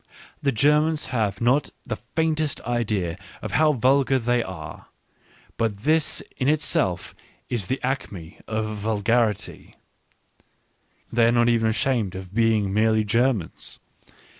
The Germans have not the faintest idea of how vulgar they are — but this in itself is the acme of vulgarity, — they are not even ashamed of being merely Germans.